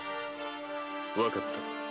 分かった。